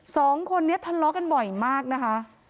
สองคนนี้ทะเลาะกันบ่อยมากนะคะ